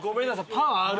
パンある？